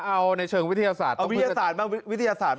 เอาในเชิงวิทยาศาสตร์เอาวิทยาศาสตร์มาวิทยาศาสตร์